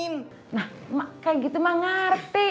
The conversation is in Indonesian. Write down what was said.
nah emak kaya gitu emak ngerti